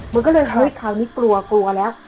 มันก็เลยเฮ้ยคราวนี้กลัวกลัวแล้ว